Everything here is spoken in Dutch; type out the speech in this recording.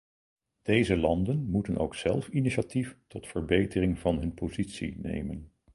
Deze landen moeten ook zelf initiatief tot verbetering van hun positie nemen.